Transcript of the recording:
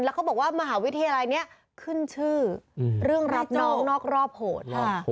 แล้วเขาบอกว่ามหาวิทยาลัยนี้ขึ้นชื่อเรื่องรักน้องนอกรอบโหด